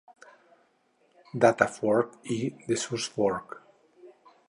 Data fork’ i ‘resource fork’